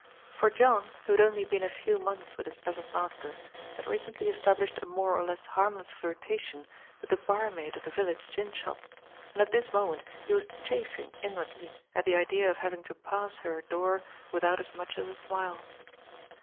For John, who had only been a few months with his present master, had recently established a more or less harmless flirtation with the barmaid of the village gin shop, and at this moment he was chafing inwardly at the idea of having to pass her door without as much as a smile.